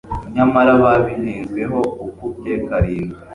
nyamara babihenzweho ukubye karindwi